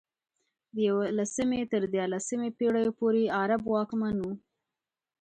د یولسمې تر دیارلسمې پېړیو پورې عرب واکمن وو.